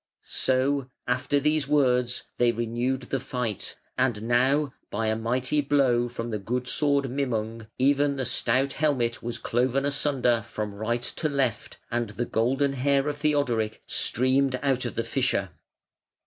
So, after these words, they renewed the fight; and now, by a mighty blow from the good sword Mimung, even the stout helmet was cloven asunder from right to left, and the golden hair of Theodoric streamed out of the fissure.